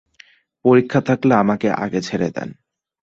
পরীক্ষা থাকলে আমাকে আগে ছেড়ে দেন।